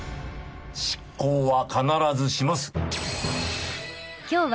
執行は必ずします。